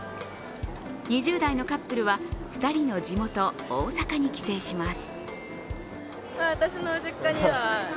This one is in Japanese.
２０代のカップルは２人の地元・大阪に帰省します。